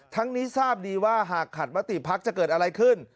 นี้ทราบดีว่าหากขัดมติภักดิ์จะเกิดอะไรขึ้น